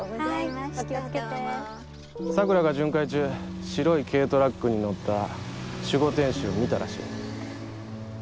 桜が巡回中白い軽トラックに乗った守護天使を見たらしい。